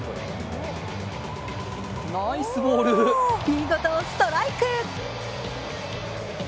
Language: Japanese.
見事ストライク。